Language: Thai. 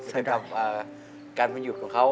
สำหรับการวันหยุดของเขา